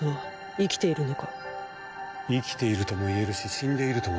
生きているとも言えるし死んでいるとも言える。